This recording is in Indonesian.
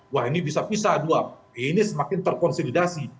wah ini bisa pisah dua ini semakin terkonsolidasi